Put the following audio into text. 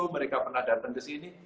mereka pernah datang ke sini